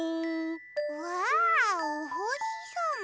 うわおほしさま。